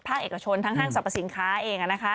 เอกชนทั้งห้างสรรพสินค้าเอง